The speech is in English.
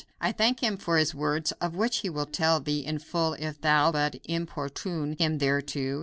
I thank him for his words, of which he will tell thee in full if thou but importune him thereto.